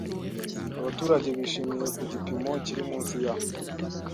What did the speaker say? abaturage bishimiye ku gipimo kiri munsi ya